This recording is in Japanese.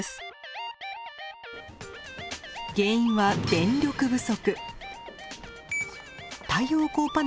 原因は電力不足。